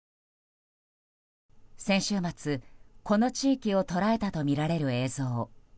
先週末、この地域を捉えたとみられる映像。